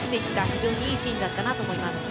非常にいいシーンだったと思います。